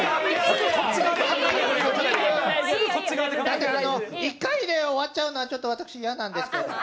だって１回で終わっちゃうのは私、嫌なんですけど。